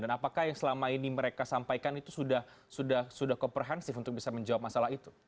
dan apakah yang selama ini mereka sampaikan itu sudah komprehensif untuk bisa menjawab masalah itu